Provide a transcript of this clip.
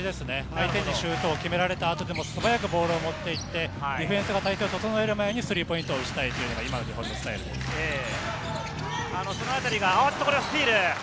相手にシュートを決められた後でも素早くボールを持っていって、ディフェンスの体勢を整える前にスリーポイントを打ちたいのは日本のスタイルです。